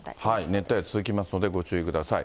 熱帯夜続きますので、ご注意ください。